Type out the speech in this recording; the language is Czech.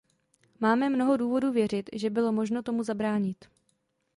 Máme mnoho důvodů věřit, že bylo možno tomu zabránit.